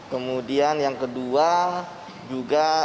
kemudian yang kedua juga